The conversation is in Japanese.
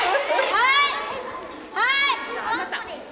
はい！